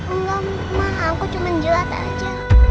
enggak ma aku cuma jilat aja